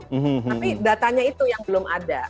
tapi datanya itu yang belum ada